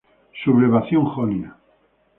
Sublevación jonia.